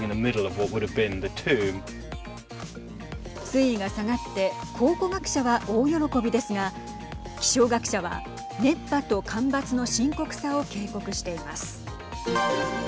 水位が下がって考古学者は大喜びですが気象学者は熱波と干ばつの深刻さを警告しています。